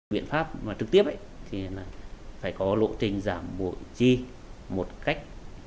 viện pháp trực tiếp thì phải có lộ trình giảm bộ chi một cách